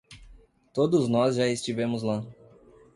Todos nós já estivemos lá.